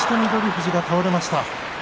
富士が倒れました。